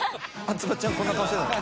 つばっちゃんこんな顔してたんだ。